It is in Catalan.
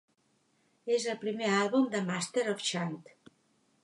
És el primer àlbum de "Masters of Chant".